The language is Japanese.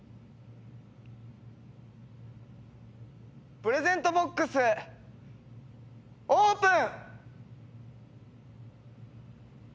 プレゼントボックスオープン！